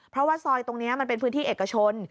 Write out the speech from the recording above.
เพราะว่าซอยตรงนี้มันเป็นพื้นที่เอกชน